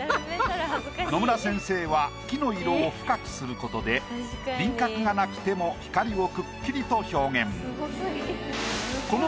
野村先生は木の色を深くすることで輪郭がなくても光をくっきりと表現。